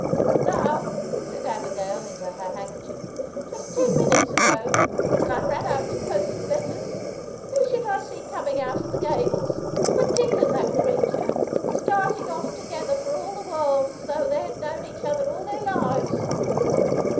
"And now," said Abigail into her handkerchief, "just ten minutes ago, when I ran out to post some letters, who should I see coming out of The Gables, but Dick and that creature, starting off together for all the world as though they had known each other all their lives.